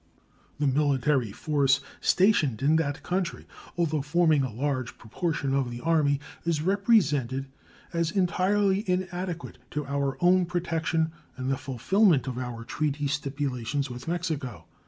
The military force stationed in that country, although forming a large proportion of the Army, is represented as entirely inadequate to our own protection and the fulfillment of our treaty stipulations with Mexico.